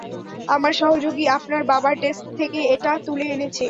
আমার সহযোগী আপনার বাবার ডেস্ক থেকে এটা তুলে এনেছে।